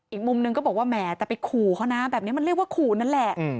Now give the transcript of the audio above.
อีกมุมนึงก็บอกว่าแหมแต่ไปขู่เขานะแบบนี้มันเรียกว่าขู่นั่นแหละ